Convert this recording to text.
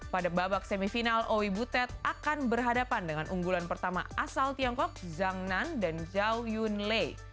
pada babak semifinal owi butet akan berhadapan dengan unggulan pertama asal tiongkok zhang nan dan zhao yun lee